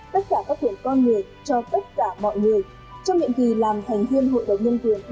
tất cả các tuyển con người cho tất cả mọi người trong nhiệm kỳ làm thành thiên hội đồng nhân tuyển